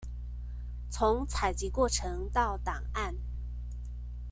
從採集過程到檔案